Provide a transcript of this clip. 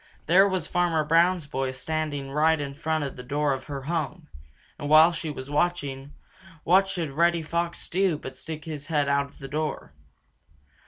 There was Farmer Brown's boy standing right in front of the door of her home. And while she was watching, what should Reddy Fox do but stick his head out the door.